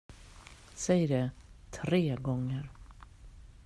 Säg det tre gånger!